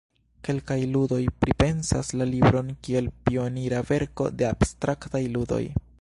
Kelkaj ludoj pripensas la libron kiel pionira verko de abstraktaj ludoj.